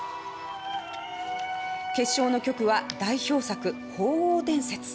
決勝の曲は代表作「鳳凰伝説」。